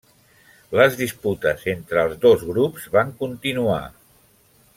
Les disputes entre els dos grups van continuar.